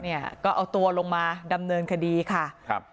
เนี่ยก็เอาตัวลงมาดำเนินคดีค่ะครับ